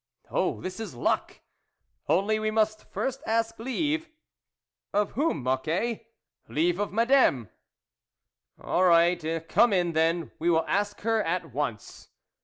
" Oh, this is luck !"" Only, we must first ask leave ..."" Of whom, Mocquet ?"" Leave of Madame." " All right, come in, then, we will ask her at once."